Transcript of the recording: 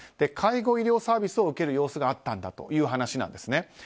介護医療サービスを受ける様子があったんだという話です。